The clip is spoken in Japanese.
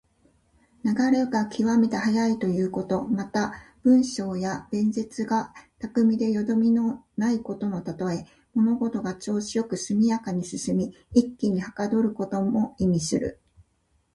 流れが極めて速いということ。また、文章や弁舌が巧みでよどみのないことのたとえ。物事が調子良く速やかに進み、一気にはかどることも意味する。